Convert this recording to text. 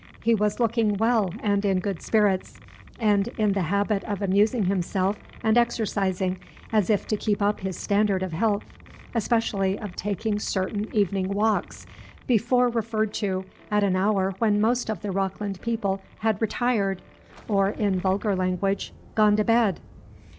He was looking well and in good spirits, and in the habit of amusing himself and exercising, as if to keep up his standard of health, especially of taking certain evening walks, before referred to, at an hour when most of the Rockland people had "retired," or, in vulgar language, "gone to bed."